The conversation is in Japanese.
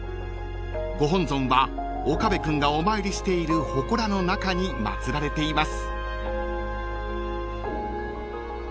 ［ご本尊は岡部君がお参りしているほこらの中に祭られています］